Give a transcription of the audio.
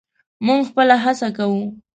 موږ خپله هڅه کوو.